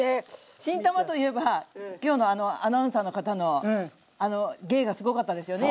新たまといえばきょうのあのアナウンサーの方の芸がすごかったですよね。